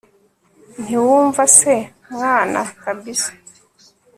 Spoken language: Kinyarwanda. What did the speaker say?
ntiwumva se mwana, kabisa